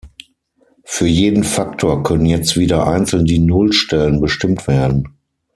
Für jeden Faktor können jetzt wieder einzeln die Nullstellen bestimmt werden.